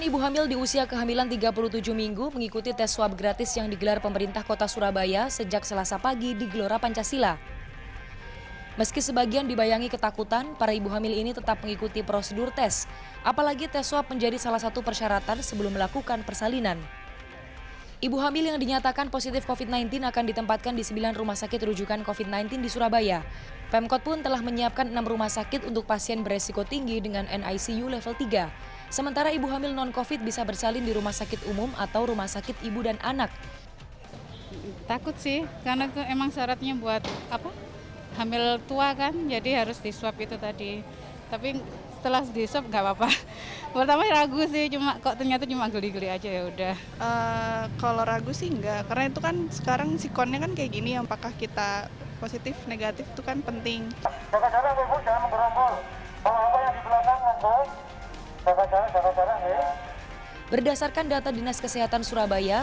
berdasarkan data dinas kesehatan surabaya